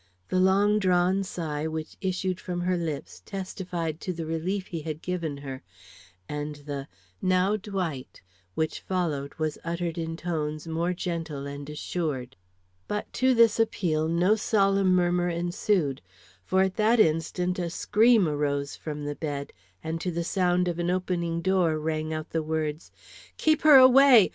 The long drawn sigh which issued from her lips testified to the relief he had given her, and the "Now Dwight!" which followed was uttered in tones more gentle and assured. But to this appeal no solemn murmur ensued, for at that instant a scream arose from the bed, and to the sound of an opening door rang out the words: "Keep her away!